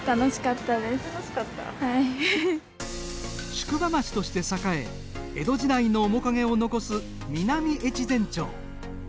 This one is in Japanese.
宿場町として栄え江戸時代の面影を残す南越前町。